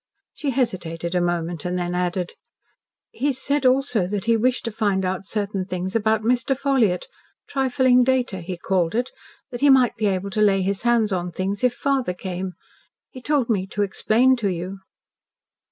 She hesitated a moment, and then added: "He said also that he wished to find out certain things about Mr. Ffolliott 'trifling data,' he called it that he might be able to lay his hands on things if father came. He told me to explain to you."